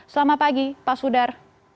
selamat pagi pak sudar